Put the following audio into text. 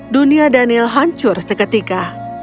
dunia daniel hancur seketika